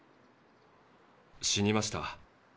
死にました。